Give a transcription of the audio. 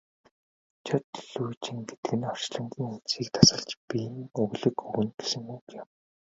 Жод лүйжин гэдэг нь орчлонгийн үндсийг тасалж биеийн өглөг өгнө гэсэн үг юм.